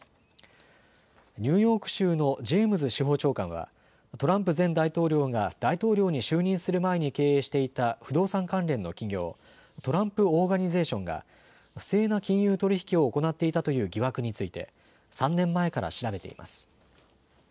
ニューヨーク州のジェームズ司法長官はトランプ前大統領が大統領に就任する前に経営していた不動産関連の企業、トランプ・オーガニゼーションが不正な金融取引を行っていたという疑惑について３年前から調べています。